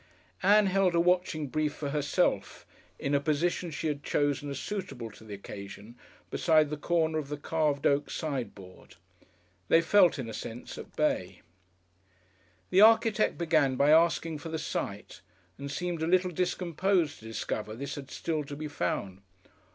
Ann held a watching brief for herself, in a position she had chosen as suitable to the occasion beside the corner of the carved oak sideboard. They felt, in a sense, at bay. The architect began by asking for the site, and seemed a little discomposed to discover this had still to be found.